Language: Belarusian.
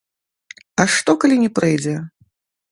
А што, калі не прыйдзе?